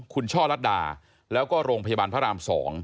คุณช่อลัดดาแล้วก็โรงพยาบาลพระราม๒